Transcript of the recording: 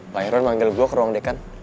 pak iron manggil gue ke ruang dekan